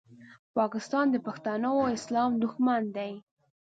پاکستان د پښتنو او اسلام دوښمن دی